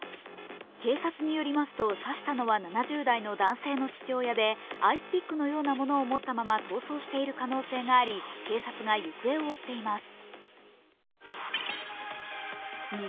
警察によりますと、刺したのは７０代の男性の父親でアイスピックのようなものを持ったまま逃走している可能性があり警察が行方を追っています。